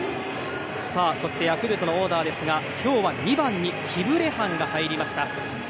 そしてヤクルトのオーダーですが今日は２番にキブレハンが入りました。